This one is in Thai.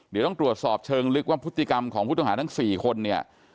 เดี๋ยวต้องตรวจสอบเชิงลึกว่าพฤติกรรมของผู้ต้องหาทั้ง๔คนเนี่ย